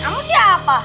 nah kamu siapa